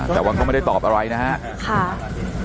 แต่วันนี้ก็ไม่ได้ตอบอะไรนะครับ